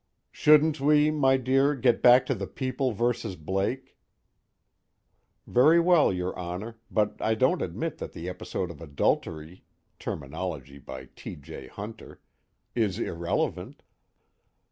_ SHOULDN'T WE (MY DEAR) GET BACK TO THE PEOPLE VS. BLAKE? _Very well, Your Honor, but I don't admit that the episode of adultery (terminology by T. J. Hunter) is irrelevant.